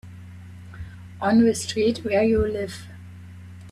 On the street where you live.